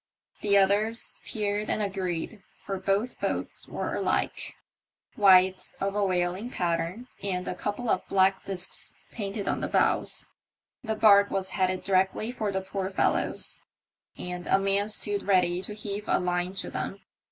" The others peered and agreed, for both boats were alike — white, of a whaling pattern, and a couple of black disks painted on the bows. The barque was headed directly for the poor fellows, and a man stood ready to heave a line to them.